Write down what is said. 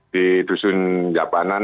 di dusun japanan